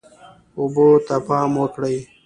اوبه ته پام وکړئ.